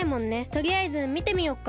とりあえずみてみようか。